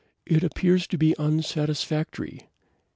"It appears to be unsatisfactory."